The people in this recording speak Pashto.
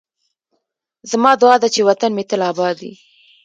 زما دعا ده چې وطن مې تل اباد